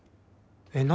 えっ？何？